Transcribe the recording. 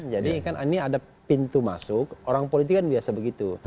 jadi kan ini ada pintu masuk orang politik kan biasa begitu